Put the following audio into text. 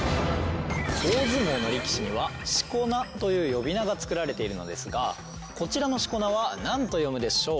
大相撲の力士にはしこ名という呼び名が付けられているのですがこちらのしこ名は何と読むでしょう？